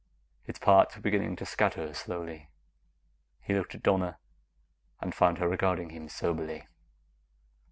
Its parts were beginning to scatter slowly. He looked at Donna, and found her regarding him soberly.